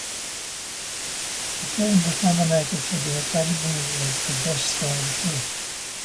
The film was nominated for the Academy Award for Best Foreign Film.